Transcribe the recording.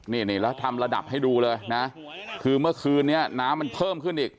นี่แล้วทำระดับให้ดูเลยนะคือเมื่อคืนนี้น้ำมันเพิ่มขึ้นอีก